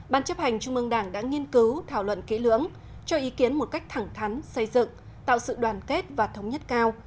ban chấp hành trung mương đảng đã nghiên cứu thảo luận kỹ lưỡng cho ý kiến một cách thẳng thắn xây dựng tạo sự đoàn kết và thống nhất cao